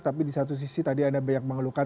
tapi di satu sisi tadi anda banyak mengeluhkan